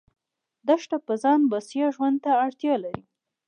دښته په ځان بسیا ژوند ته اړتیا لري.